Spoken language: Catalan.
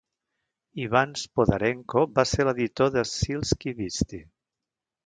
Ivan Spodarenko va ser l'editor de "Silski Visti".